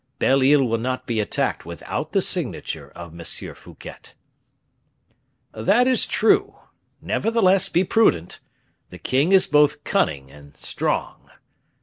Belle Isle will not be attacked without the signature of M. Fouquet." "That is true. Nevertheless, be prudent. The king is both cunning and strong."